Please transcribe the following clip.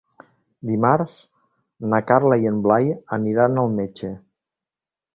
Dimarts na Carla i en Blai aniran al metge.